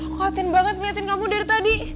aku hati banget melihat kamu dari tadi